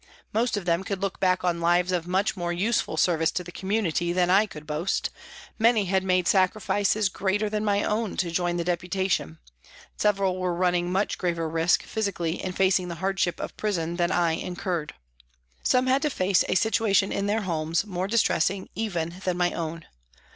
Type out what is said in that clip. Most of them could look back on lives of much more useful service to the community than I could boast, many had made sacrifices greater than my own to join the Deputation, several were running much graver risk, physically, in facing the hardship of prison than I incurred. Some had to face a situation in their homes more distressing even than my own.